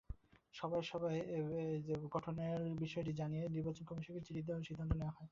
সভায় জোট গঠনের বিষয়টি জানিয়ে নির্বাচন কমিশনকে চিঠি দেওয়ার সিদ্ধান্ত নেওয়া হয়।